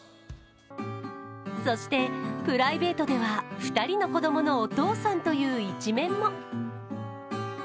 そしてプライベートでは、２人の子供のお父さんという一面も。